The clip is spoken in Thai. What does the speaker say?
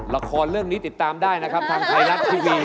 ละครเรื่องนี้ติดตามได้นะครับทางไทยรัฐทีวี